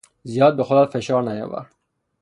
زیاد به خودت فشار نیاور!